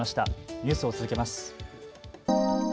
ニュースを続けます。